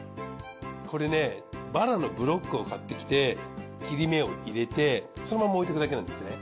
これねバラのブロックを買ってきて切れ目を入れてそのまま置いてるだけなんです。